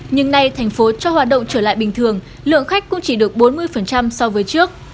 nhưng nay thành phố cho hoạt động trở lại bình thường lượng khách cũng chỉ được bốn mươi so với trước